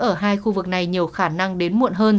ở hai khu vực này nhiều khả năng đến muộn hơn